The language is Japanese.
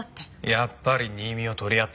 やっぱり新見を取り合ってたか。